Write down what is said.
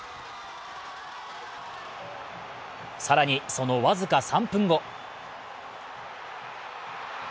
更に、その僅か３分後。